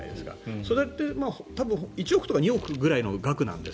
そうやって１億とか２億くらいの額なんです。